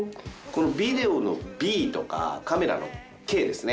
ビデオの「Ｂ」とかカメラの「Ｋ」ですね